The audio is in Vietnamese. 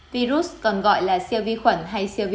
virus còn gọi là siêu vi khuẩn hay siêu vi